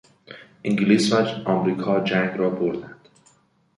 انگلیس و امریکا جنگ را بردند.